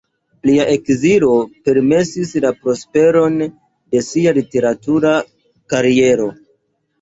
Lia ekzilo permesis la prosperon de sia literatura kariero.